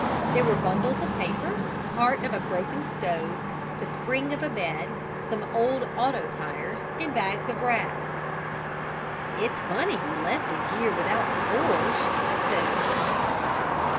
There were bundles of papers, part of a broken stove, the spring of a bed, some old auto tires and bags of rags. "It's funny he left it here without the horse," said Tom.